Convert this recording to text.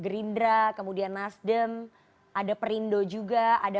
tim liputan cnn indonesia